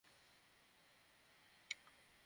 নিজের সমস্যা কোথায়, তা বের করে ফেলতে পারবে তুমি।